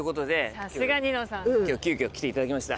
はい。今日急きょ来ていただきました。